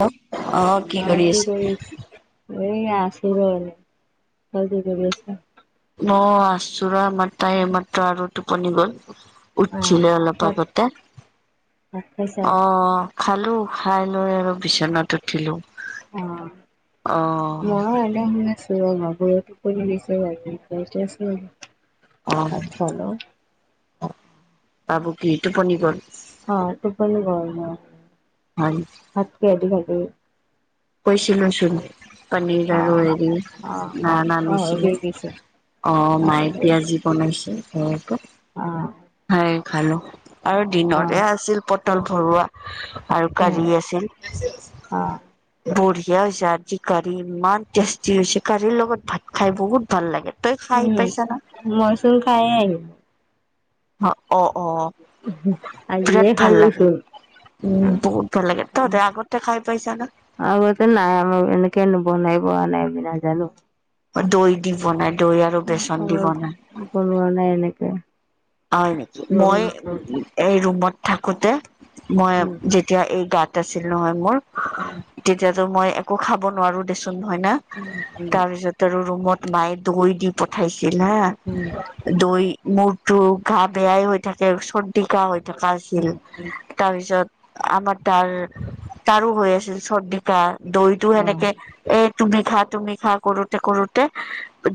[unintelligible] অ, অ, কি কৰি, এই আছো এনে, তোমালোকে কি কৰি আছা? অহ, আচোৰ আমাৰ তাই এইমাত্ৰ আৰু টোপনি গ'ল। অ', উঠছিলে অলপ ভাত আগতে ভাত খাইছা? অ, খালো খাই লৈ আৰু বিচনাত উঠিলো অ, মই শুই আছো ৰহ [unintelligible] অ', অ', বাবু কি টোপনি গ'ল? অ, টোপনী গল ন। হয়। মাতকেধিকাগ [unintelligible] কৈছিলো চোন পনীৰ আৰু অ', হেৰি অ', না অ', পাহৰি নানিছিলে। গৈছো অ, পাহৰি মাই অ', পিয়াজি বনাইছো ঘৰতে। অ', খাই খালো আৰু দিনতে অ', আছিল পটল ভৰোৱা। আৰু গাড়ী আছিল, বুঢ়িয়ে হৈছে চি কাৰী ইমান টেষ্টি হৈছে, কাৰীৰ লগত ভাত খাই বহুত ভাল লাগে, তই খাই পাইছ নে? মইছোন খায়ে আহিলো। অ', অ', অ', আজি বিৰাট এই ভাল খালা লাগে লৈছো। উম, বহুত ভাল লাগে, তহতে আগতে খাই পাইছা না? আগতে নাই আমাৰ এনেকে নবনাই বোৱা নাই নাজানো। দৈ দি বনাই দৈ আৰু বেচন দি আমাৰ বনাই। বনোৱা নে এনেকে? হয় নেকি? গম মই নাপাওঁ। এই ৰুমত থাকোতে মই উম, যেতিয়া এই গাত আছিল নহয় মোৰ উম। তেতিয়াতো মই একো খাব নোৱাৰো দেচোন হয় না? উম, উম, তাৰ পিছত তৰ ৰুমত মায়ে দৈ দি পঠাইছিল হা। উম, দৈ মূৰটো ঘা বেয়াই হৈ থাকে, চৰ্দি - কাহ হৈ থকা আছিল। উম, উম, তাৰপিছত আমাৰ তাৰ, তাৰো হৈ আছিল চৰ্দি-কাহ। দৈটো অ', উম, উম, উম, অ', এনেকে এ তুমি খা তুমি খা কৰোতে কৰোতে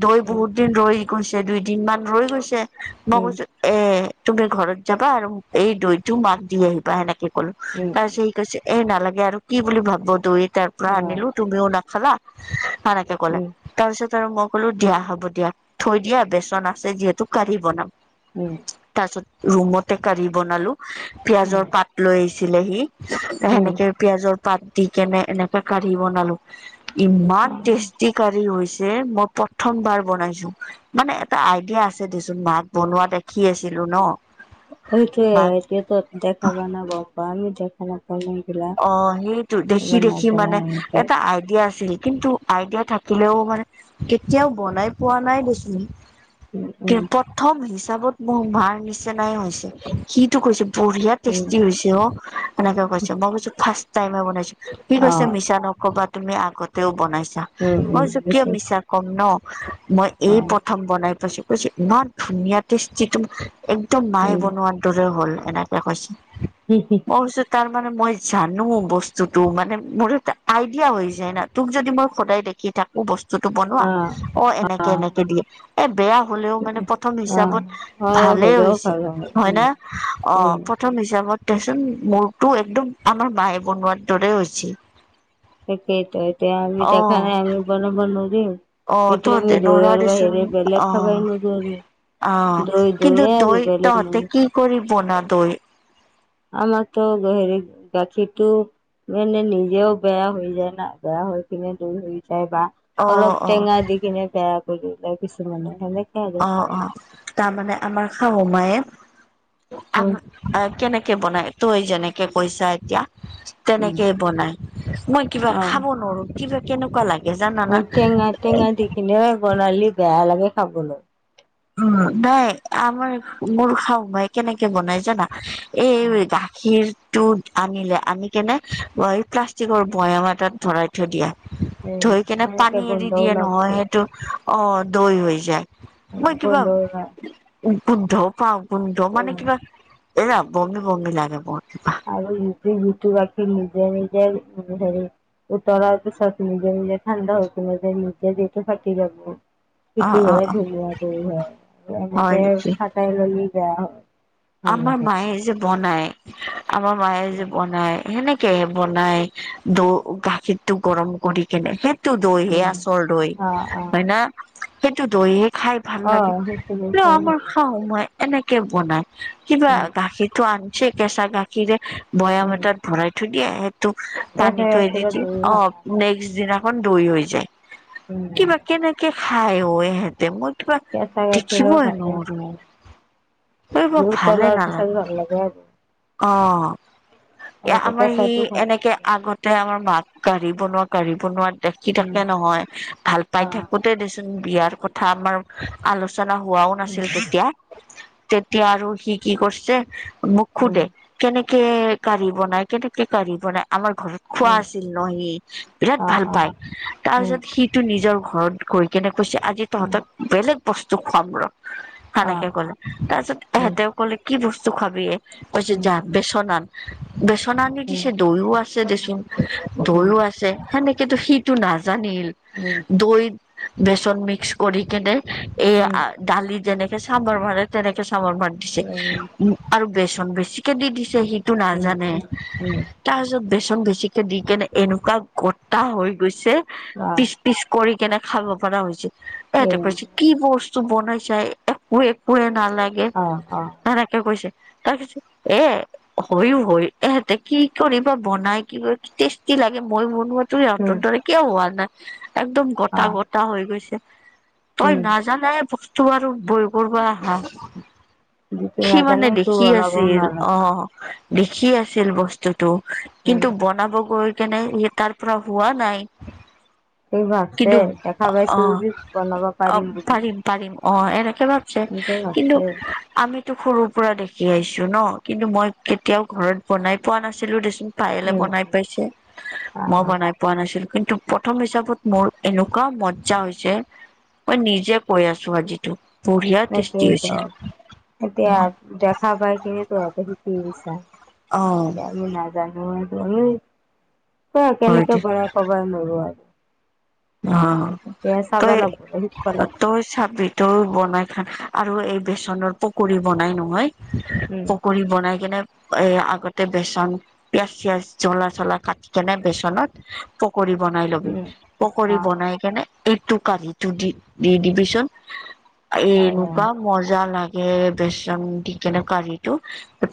দৈ বহুত দিন ৰৈ গৈছে, দুইদিনমান ৰৈ গৈছে। মই উম, কৈছো এ তুমি ঘৰত যাবা আৰু এই দৈটো মাক দি আহিবা সেনেকে কলো, উম, তাৰপিছত সি কৈছে এই নালাগে আৰু কি বুলি ভাবব'? দৈৰ দাব্বা আনিলো তুমিও নাখালা। সানেকে ক'লে। তাৰপিছত আৰু মই ক'লো দিয়া হ'ব দিয়া থৈ দিয়া বেচন আছে যিহেতু কাৰি বনাম। উম। তাৰপিছত ৰুমতে কাৰি বনালো। পিয়াজৰ পাত লৈ আহিছিলে সি। উম। সেনেকে পিয়াজৰ পাত দি কেনে এনেকে কাঢ়ি বনালো। ইমান টেষ্টি কাঢ়ি হৈছে মই প্ৰথমবাৰ বনাইছো। মানে এটা আইডিয়া আছে দেচোন মাক বনোৱা দেখি আছিলো ন। সেইটোৱেই মাক এতিয়া তই দেখা কাৰণে গম পা। আমি দেখা নাপাও না সেইবিলাক। অ সেইটো, দেখি দেখি মানে এনেকে এটা আইডিয়া আছিল কিন্তু আইডিয়া থাকিলেও মানে কেতিয়াও বনাই পোৱা নাই দেচোন। উম, উম, কেপত প্ৰথম হিচাপত মোৰ মাৰ নিচিনাই হৈছে। সিটো কৈছে বঢ়িয়া উম, টেষ্টি হৈছে অ এনেকে কৈছে। মই কৈছো ফাৰ্ষ্ট টাইমে বনাইছো। সি কৈছে মে অ'। মিছা নকবা তুমি আগতেও বনাইছা। উম, মই উম, কৈছো কিয় বিশ্বাস মিছা কম ন? মই এই অ', প্ৰথম বনাই পাইছো, কৈছে ইমান ধুনীয়া টেষ্টি একদম একদম মায়ে উম। বনোৱা দৰে হ'ল এনেকে কৈছে। উ হু। মই কৈছো তাৰ মানে মই জানো বস্তুটো মানে মোৰ এটা আইডিয়া হৈ যায় না, তোক যদি মই সদায় দেখি থাক মো বস্তুটো অ', বনোৱা অ এনেকে এনেকে দিয়ে। এ বেয়া হ'লেও মানে প্ৰথম অ', হিচাপত সৰহ ভালেই হ'লেও হৈছি ভাল হয় উম। না? অ উম, প্ৰ প্ৰথম হিচাপত দেচোন মোৰটো একদম আমাৰ মায়ে বনোৱাৰ দৰে হৈছিল। সেইটোৱেটো এতিয়া আমি অ দেখা নাই আমি বনাবা নৰিম। অ এইটো তহঁতে আমি নৰা দৈয়ৰ দেচোন বাহিৰে বেলেগ অ খাবই নৰু আৰু। অ দৈ কিন্তু দৈয়ে দৈ আৰু বেলেগ তহঁতে নহয়। কি কৰি বনা দৈ। আমাৰতো হেৰি গাখীৰটো এনে নিজেও বেয়া হৈ যায় না, বেয়া হৈ কিনে দৈ হয় যায় বা অ অলপ অ টেঙা দি কিনে বেয়া কৰো, তাৰপিছত বনাও সেনেকে। আৰু। অ, অ তাৰমানে আমাৰ শাহু মায়ে আম উম, আ কেনেকে বনায়? তই যেনেকে কৈছা এতিয়া উম, তেনেকেই বনায়। মই কিবা খাব নৰো। কিবা কেনেকুৱা লাগ অ টেঙা টেঙা দি কিনে বনালি বেয়া লাগে খাবলৈ। উ নাই আমাৰ মোৰ শাহু মাই কেনেকে বনাই জানা? এ এ গাখীৰ টো আনিলে। আনি কেনে এই প্লাষ্টিকৰ বয়াম এটাত ভৰাই থৈ দিয়ে। থৈ কেনে সেনেকে পানী গোন্ধ এৰি দিয়ে ওলাব নহয় সেইটো অ দৈ হৈ যায়। মই কিবা গোন্ধ ওলাই গোন্ধ পাওঁ, গোন্ধ মানে উম কিবা এই বমি-বমি লাগে কিবা। আৰু নিজ যিটো গাখীৰ নিজৰ-নিজৰ হেৰি উতলাৰ পিছত নিজে-নিজে ঠাণ্ডা হৈ কেনেকে যে নিজে যেতিয়া ফাটি যাব। অ সেইটো অ হয় অ ধুনীয়া দৈ হয় আৰু হয় এনেকে নেকি ফাটাই ললে বেয়া হয়। ভাল আমাৰ নহয় মায়ে যে বনায়, আমাৰ মায়ে যে বনায় সেনেক কে বনায় দ গাখীৰটো গৰম কৰি কেনে। সে সেইটো দৈহে উম আচল দৈ অ' অ' হয় না? সেইটো দৈহে খাই ভাল লাগে। অ' সেইখিনি হলেও খাই ভাল আমাৰ লাগে শাহু মায়ে এনেকে বনায়। কিবা উম গাখীৰটো আনছে কেঁচা গাখীৰে বৈয়াম উম এটাত ভৰাই থৈ দিয়ে। এ কেঁচা পানীটো এৰি গাখীৰত দৈ ভাল দিয়ে নালাগে নেক্স দিনাখন দৈ হৈ যায়। উম, কিবা কেনেকে খাই ইহঁতে মই কিবা কেঁচা গাখীৰৰ দেখিবই ভালে নালাগে নোৱাৰো। এই কিবা ভালেই নালাগে। হয়। [unintelligible] অ, এ এনেকে আমাৰ সি কেঁচাটো ভাল এনেকে নালাগে আগত টেবআমাৰ মাক কাঢ়ি বনোৱা কাঢ়ি বনোৱা দেখি উম থাকে নহয় ভাল পাই অ থাকো তে দেচোন বিয়াৰ কথা আমাৰ আলোচনা হোৱাও উম নাছিল তেতিয়া। তেতিয়া আৰু সি কি কৰিছে মোক উম শুধে? কেনেকে কাঢ়ী বনাই, কেনেকে কাঢ়ী বনাই আমাৰ ঘৰত খোৱা উম আছিল ন সি বিৰাট অ ভাল অ পায়। উম তাৰপিছত সিটো নিজৰ ঘৰত গৈ কেনেকে কৈছে আজি উম তহঁতক বেলেগ বস্তু খুৱাম ৰহ। অ উম সেনেকে কলে তাৰপিছত হেঁতেও কলে কি বস্তু খাবি কৈছে উম উম উম উম যা বেচন আন। বেচন আনি দিছে দৈও আছে দেচোন, দৈও উম আছে সেনেকেতো সি টো নাজানিল। উম, দৈ বেচন মিক্স কৰি কেনে এই দালি যেনেকে চাম্বাৰ মাৰে তেনেকে চাম্বাৰ মাৰ দিছে উ আৰু বেচন বেছিকে দি দিছে সিটো নাজানে। উম তাৰিছত বেচন বেছিকে দি কেনে এনেকুৱা গটা হৈ গৈছে অ পি পিচ কৰি কেনে খাব পৰা হৈছে এ এই তপই চিশ কি বস্তু বনাইছাই একো-একোৱে নালাগে অ অ সেনেকে কৈছে। তাৰপিচত এ হয়ও হয় এহেতে কি কৰিবা বনাই কি কৰি টেষ্টি লাগে মই বনোৱা তোৰ উম ইহতৰ দৰে কিয় হোৱা নাই একদম অ গটা-গটা হৈ গৈছে। তই উম নাজানাই বস্তু আৰু বইল কৰবা আহা। যিটো সি মানে নাজানে সেইটো দেখি বনাব আছিল নালাগে অ', দেখি আছিল, বস্তুটো উম কিন্তু বনাব গৈ কেনে সি তাৰ পৰা হোৱা নাই। ঠিক ভাবছে কিন্তু দেখা অহ, পাইছো যদি বনাব অহ, পাৰিম বুলি পাৰিম। পাৰিম অ' এনেকে ভাবছে কিন্তু আমিতো সৰুৰ পৰা দেখি আহিছো ন কিন্তু মই কেতিয়াও ঘৰত বনাই পোৱা নাছিলো দেচোন। পাযয়েলে বনাই পাইছে। মই বনাই পোৱা নাছিলো কিন্তু প্ৰথম হিচাপত মোৰ এনেকুৱা মজ্জা হৈছে। মই নিজে কৈ আছো আজিতো বঢ়িয়া টেষ্টি তাকেইতো হৈছে। এতিয়া দেখা পায় কিনি তহতে শিকি গৈছা। অ', এতিয়া আমি নাজানো আৰু আমি ক হয় দে কেনেকে বনাই কব নোৱাৰো আৰু। অহ, এতিয়া চাব লাগব শিকিব লাগব তই-তই চাবিত টো বনাই খান আৰু এই বেচনৰ পকৰি বনাই নহয়। উম পকৰি বনাই কিনে এ আগতে বেচন পিয়াজ চিয়াজ জলা চলা কাটি কেনে বেচনত, পকৰী বনাই ল'বি উম পকৰী অ বনাই কিনে। এইটো কঢ়িটো দি দি দিবিচোন অ এনেকুৱা মজা লাগে। বেচন দিকিনে কাৰিটো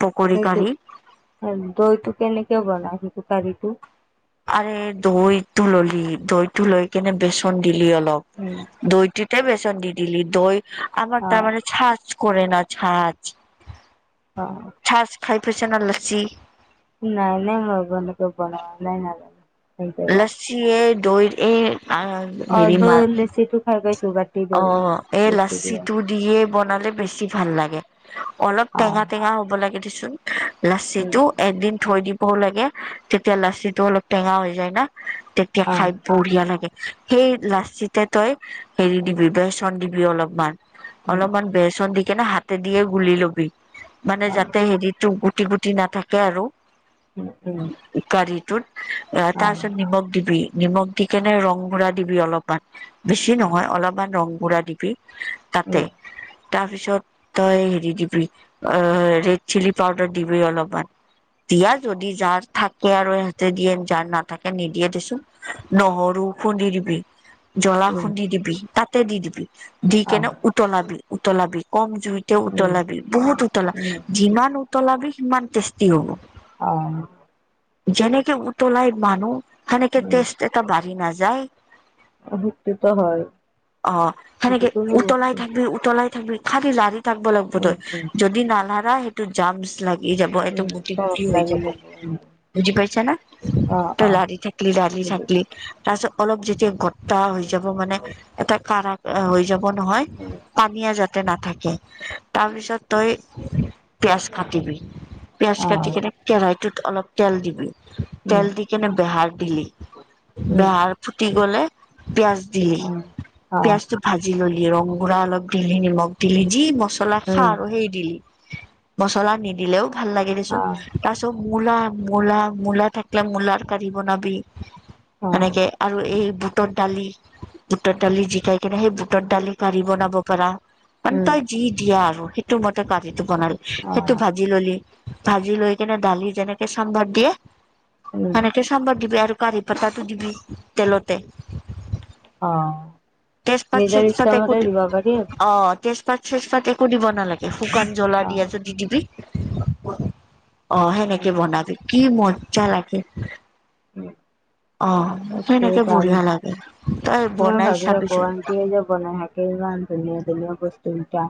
পকৰী সেইটো কাঢ়ি। দৈটো কেনেকে বনাই সেইটোকাৰিটো? আৰে দৈটো ললি দৈটো লৈ কেনে বেচন দিলি অলপ উম, দৈ তুতে বেচন দি দিলি দৈ আমাৰ অ তাৰমানে চাছ। কৰে না চাছ, অ, চাছ খাই পাইছানা লাচি। নাই নাই মই নক বনোৱা নাই ন সেইজেগা, চিয়ে দৈ এই আ, অ দৈ লিছি টো খাই পাইছোঁ গা অ এ লছিটো। দিয়ে বনালে বেছি ভাল লাগে অলপ টেঙা টেঙা হ'ব লাগে দেচোন। লাছিটো, সুস্থিত এদিন থৈ দিবও লাগে তেতিয়া লাচি টো অলপ টেঙা হৈ যায় না তেতিয়া খাইড, বঢ়িয়া লাগে সেই লাচিতে তই হেৰি দিবি বেচন দিবি অলপমান। অলপমান বেচন দিকেনে হাতে দিয়ে গুলি লবি। মানে যাতে হেৰিতটো গুটি গুটি নাথাকে আৰু উম উম, কাৰি টোত আ তাৰ পিছত নিমখ দিবি। নিমখ দি কেনে ৰং গুড়া দিবি অলপমান বেছি নহয় অলপমান ৰং গুড়া দিবি। পি তাতে। তাৰপিছত তই হেৰি দিবি অ ৰেড চিলি পাউদাৰ দিবি অলপমান। দিয়া যদি যাৰ থাকে আৰু ইহঁতে দিয়ে যাৰ নাথাকে নিদিয়ে দেচোন। নহৰু খুন্দি দিবি। জলা খুন্দি দিবি তাতে দি দিবি দি কেনে উতলাবি উতলাবি কম জুইত। তে উতলাবি বহুত উতলাব যিমান উতলাবি সিমান টেষ্টি হ'ব। অ যেনেকে উতলাই মানুহ সেনেকে তেজ এটা বাঢ়ি নাযায়। অ সেইটো হয়। অ সেনেকে যিকোনো উতলাই বস্তু থাকি উতলাই থাকি খালি লাৰি, থাকিব লাগিব উম তই উম যদি নালাৰা সেইটো জামচ লা ই যাব এটো উম গুটি গুটি তৰপ হৈ লাগি যাব। উম বুজি পইচা না অ তই অ লাৰি থাকলি লাৰি বুজিছো। থাকিলি। তাৰপিছত অলপ যেতিয়া গটা হৈ যাব মানে এটা কাৰাহা, অ হৈ যাব নহয় উম পানী নাথাকে তাৰপিছত তই পিয়াজ কাটিবি। পিয়াজ অ কাটি কেনে কেৰাহিটোত অলপ, তেল দিবি উম তেল দি কেনে বেহাৰ দিলি উম বেহাৰ, ফুটি গ'লে পিঁয়াজ দিলি। অ অ পিয়াজতো ভাজি ললি ৰং গুড়া অলপ দিলি নিমখ দিলি যি ম, মচলা খা উম আৰু সেই দিলি মচলা নিদিলেও ভাল লাগে দেচোন। অ অ তাৰপিছত মূলা মূলা মূলা থাকিলে মূলাৰ কাঢ়ি বনাবি। এনেকে আৰু এই বুটৰ দালি। বুটৰ দালি জিকাই কিনে সেই বুটৰ দালি কাঢ়ি বনাব পাৰা মানে উম তই যি দিয়া আৰু সেইটো মতে ভাজিটো বনালি অ সেইটো ভাজি ললি। ভাজি লৈ কেনে দালি যেনেকে চাম্ভাৰ দিয়ে উম সেনেকে চাম্বাৰ দিবি আৰু কাৰি পতাটো দিবি তেলতে। অ' তেজপাত নিজৰ চেজপাত একো ইচ্ছামতে দি দিব পাৰি আৰু অ' তেজপাত চেজপাত একো দিব নালাগে। শুকান জলা অ দিয়া যদি দিবি অ' উম সেনেকে বনাবি। কি মজা লাগে। [unintelligible] অ তাকেই সেনেকে বঢ়িয়া লাগে তই, এক চাবিচোন আমক যে বনাই থাকে ইমান ধুনীয়া ধুনীয়া বস্তুকেইটা।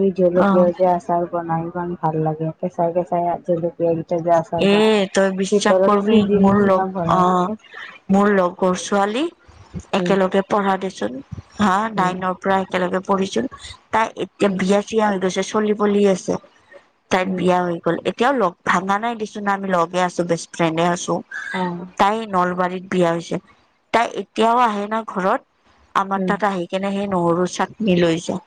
এই অ জলকীয়া যে আচাৰ বনাই ইমান ভাল লাগে কেঁচাই কেঁচাই জলকীয়া কেইটা যে আ। এই তই বিশ্বাস কৰিবি মোৰ নিচিনা লগ ভৰাই লয় অ' মোৰ লগৰ ছোৱালী উম একেলগে পঢ়া দেচোন হা উম নাইনৰ প্ৰায় একেলগে পঢ়িছিল তাই এতিয়া উম বিয়া চিয়া হৈ গৈছে চলি পলি আছে। তাইত উম বিয়া হৈ গ'ল এতিয়াও লগ ভাঙা নাই দেচোন আমি লগে আছোঁ বেষ্ট ফ্ৰেণ্ডে আছোঁ। অ' তাই নলবাৰীত বিয়া হৈছে, তাই এতিয়াও আহে ন' ঘৰত আমাৰ উম তাত আহি [unintelligible] সেই নহৰু চাটনি লৈ যায়।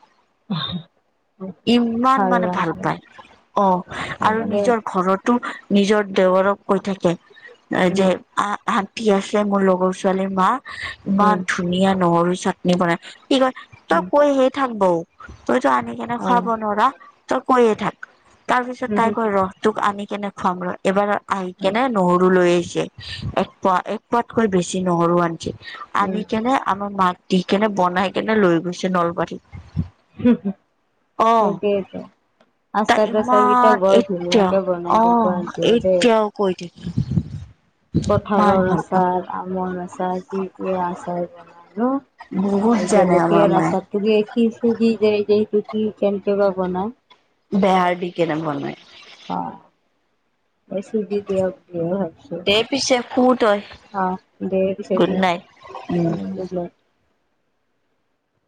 ইমান মানে ভাল পায় অ' ভাল আৰু লাগে নিজৰ ঘৰত টো নিজৰ দেৱৰক কৈ থাকে উম যে অ' আন্টি আছে মোৰ লগৰ ছোৱালীৰ মা উম ইমান ধুনীয়া নহৰু চাটনি বনাই কি কয় তই উম কয় হে থাক বৌ তইতো আনি কেনে অ খুৱাব নোৱাৰ তই কয় হে থাক। তাৰ পিছত তাই কয় উম ৰহ তোক আনি কেনে খুৱাম ৰহ এবাৰ আহি কেনে নহৰু লৈ আহিছে। এক পোৱা এক পোৱাতকৈ বেছি নহৰু আনিছে আনি উম কেনে আমাৰ মাক দি কেনে বনাই কেনে লৈ গৈছে নলবাৰীত। হো-হো, অ' ‌সেইটোৱেটো তাই আচাৰ চাচাৰ ইমান কেইটাও বৰ এতিয়া ধুনীয়াকে বনাই কিন্তু আন্টিয়ে দেই। এতিয়াও অ' কৈ দে কঠালৰ আচাৰ, আমৰ আচাৰ কি কি আচাৰ বনালো। বহুত জানে আমাৰ জলকীয়াৰ মায়ে আচাৰটো কি চুজি দেই যে কি কেনেকে বা বনায়? বেহাৰ দি কেনে বনায়। অ' মই চুজি দিয়া বুলিহে ভাবিছোঁ। দে পিছে শুৱ তই। অ' দে পিছে গুড ঠিক আছে। নাইট উম। [unintelligible]